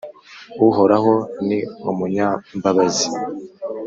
Uhoraho ni umunyambabazi